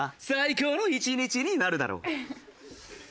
最高の１日になるだろう。